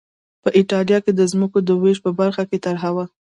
په اېټالیا کې د ځمکو د وېش په برخه کې طرحه وه